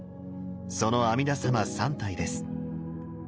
その阿弥陀様３体です。